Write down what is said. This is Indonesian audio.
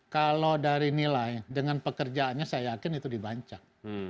kalau dari nilai dengan pekerjaannya saya yakin itu dibancak